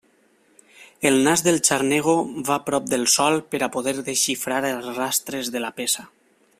El nas del xarnego va prop del sòl per a poder desxifrar els rastres de la peça.